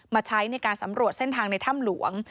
ใช้ในการสำรวจเส้นทางในถ้ำหลวง